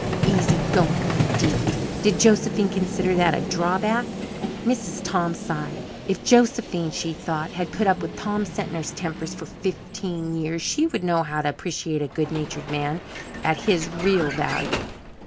Easy going, indeed! Did Josephine consider that a drawback? Mrs. Tom sighed. If Josephine, she thought, had put up with Tom Sentner's tempers for fifteen years she would know how to appreciate a good natured man at his real value.